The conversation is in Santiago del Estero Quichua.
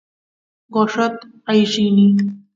gorrot aay rini